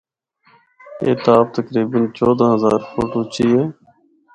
A top تقریبا چودہ ہزار فٹ اُچی ہے۔